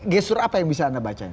gestur apa yang bisa anda baca